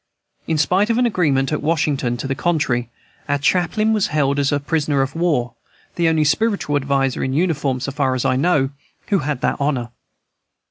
In spite of an agreement at Washington to the contrary, our chaplain was held as prisoner of war, the only spiritual adviser in uniform, so far as I know, who had that honor.